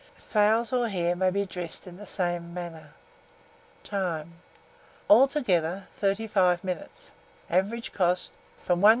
Fowls or hare may be dressed in the same manner. Time. Altogether, 35 minutes. Average cost, from 1s.